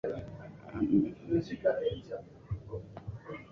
Ametufundisha mambo ya mbingu